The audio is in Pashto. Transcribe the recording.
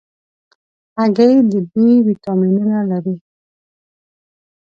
هګۍ د B ویټامینونه لري.